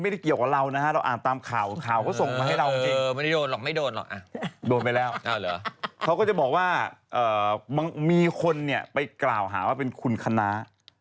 มีคนเนี่ยไปกล่าวหาว่าเป็นคุณคะน้า